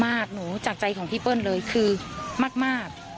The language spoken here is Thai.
หนูจากใจของพี่เปิ้ลเลยคือมาก